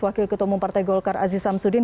wakil ketua pemumpatai golkar aziz samsudin